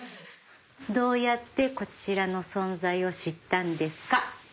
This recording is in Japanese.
どうやってこちらの存在を知ったんですか？